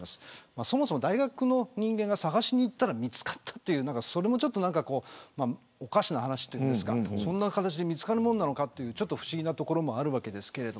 そもそも大学の人間が探しに行ったら見つかったというのがそれも、おかしな話というかそんな形で見つかるものなのかという不思議なところもあります。